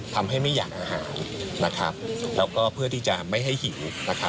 ไม่อยากอาหารแล้วก็เพื่อที่จะไม่ให้หิว